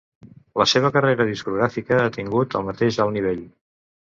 La seva carrera discogràfica ha tingut el mateix alt nivell.